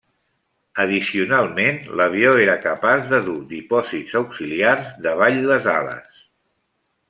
Addicionalment, l'avió era capaç de dur dipòsits auxiliars davall les ales.